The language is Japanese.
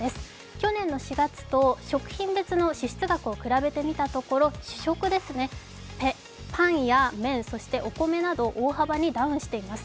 去年の４月と食品別の支出額を比べてみたところ主食ですね、パンや麺、お米など大幅にダウンしています。